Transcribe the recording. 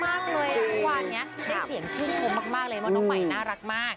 ถ้าครบว่าอย่างเนี้ยสังเกตสิ่งเข้ามากเลยเพราะน้องหมายน่ารักมาก